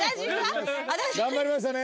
頑張りましたね。